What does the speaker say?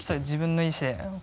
自分の意思ね？